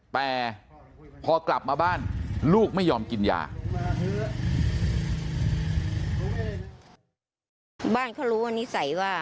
แต่พอกลับมาบ้านลูกไม่ยอมกินยา